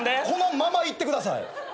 このままいってください。